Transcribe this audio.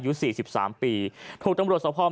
ถูกตำรวจสภาวแม่ตัวมาทำแผนประกอบคำรับสารภาพธรรมด้วย